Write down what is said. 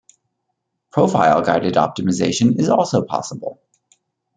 Profile-guided optimization is also possible.